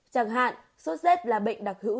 chẳng hạn số z là bệnh đặc hữu